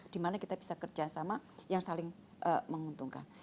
di mana kita bisa kerja sama yang saling menguntungkan